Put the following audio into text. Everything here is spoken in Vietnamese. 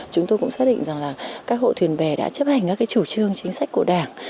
chúng tôi cũng xác định rằng là các hộ thuyền bè đã chấp hành các chủ trương chính sách của đảng